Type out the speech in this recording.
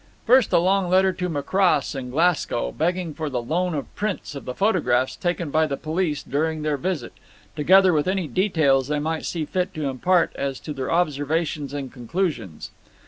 First a long letter to Macross in Glasgow, begging for the loan of prints of the photographs taken by the police during their visit, together with any details they might see fit to impart as to their observations and conclusions.